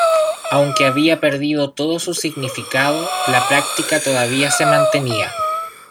Aunque había perdido todo su significado, la práctica todavía se mantenía.